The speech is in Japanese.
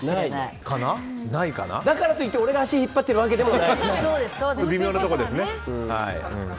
だからといって俺が足を引っ張っているわけじゃない。